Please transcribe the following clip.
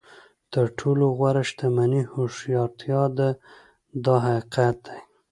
تر ټولو غوره شتمني هوښیارتیا ده دا حقیقت دی.